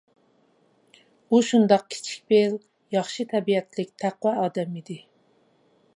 ئۇ شۇنداق كىچىك پىل، ياخشى تەبىئەتلىك، تەقۋا ئادەم ئىدى.